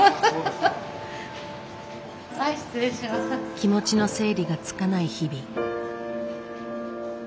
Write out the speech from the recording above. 気持ちの整理がつかない日々。